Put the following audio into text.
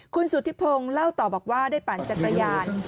คุณสุธิพงศ์เล่าต่อบอกว่าได้ปั่นจักรยาน